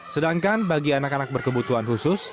sedangkan bagi anak anak berkebutuhan khusus